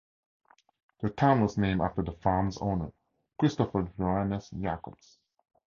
The town was named after the farm's owner, Christoffel Johannes Jacobs.